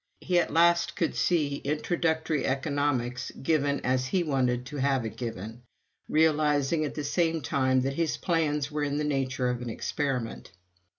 He at last could see Introductory Economics given as he wanted to have it given realizing at the same time that his plans were in the nature of an experiment.